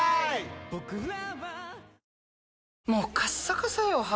もうカッサカサよ肌。